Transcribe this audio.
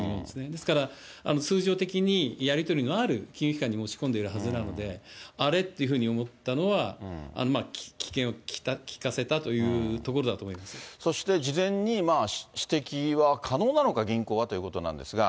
ですから通常的にやり取りのある金融機関に持ち込んでるはずなので、あれ？っていうふうに思ったのは、機転を利かせたというところだと思いそして、事前に指摘は可能なのか、銀行はということなんですが。